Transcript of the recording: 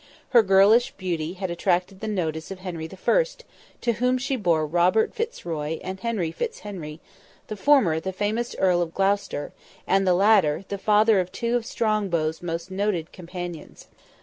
Her girlish beauty had attracted the notice of Henry I., to whom she bore Robert Fitz Roy and Henry Fitz Henry, the former the famous Earl of Gloucester, and the latter the father of two of Strongbow's most noted companions.